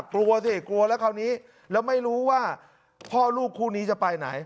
กลัวสิกลัวแล้วคราวนี้แล้วไม่รู้ว่าพ่อลูกคู่นี้จะไปไหน